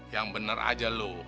yang bener aja lo